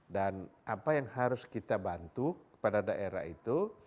dan apa yang harus kita bantu pada daerah itu